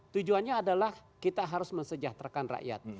tujuannya adalah kita harus mensejahterakan rakyat